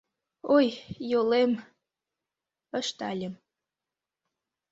— Ой, йолем, — ыштальым.